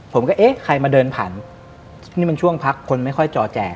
ผมก็เอ๊ะใครมาเดินผ่านนี่มันช่วงพักคนไม่ค่อยจอแจก